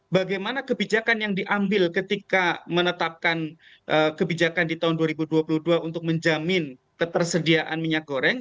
bagaimana kebijakan yang diambil ketika menetapkan kebijakan di tahun dua ribu dua puluh dua untuk menjamin ketersediaan minyak goreng